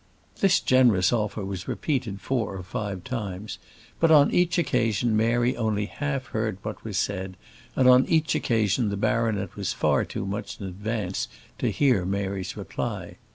This generous offer was repeated four or five times; but on each occasion Mary only half heard what was said, and on each occasion the baronet was far too much in advance to hear Mary's reply.